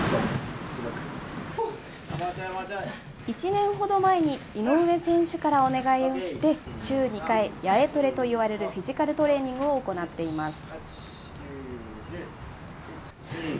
１年ほど前に、井上選手からお願いをして、週２回、八重トレといわれるフィジカルトレーニングを行っています。